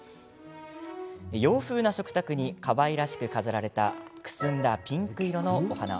洋風な食卓にかわいらしく飾られたくすんだピンク色のお花。